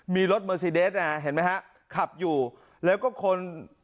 มีรถเมอร์ซีเดสนะฮะเห็นไหมฮะขับอยู่แล้วก็คน